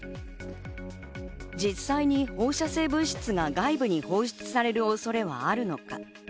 実際に放射性物質が外部に放出される恐れはあるのか。